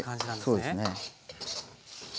はいそうですね。